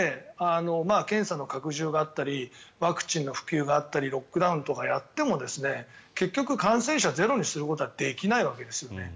検査の拡充があったりワクチンの普及があったりロックダウンとかやっても結局感染者をゼロにすることはできないわけです。